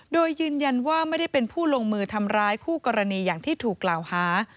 โดยยืนยันว่าไม่ได้เป็นผู้ลงมือทำร้ายคู่กรณีอย่างที่ถูกกล่าวหา